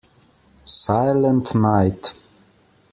Silent Night.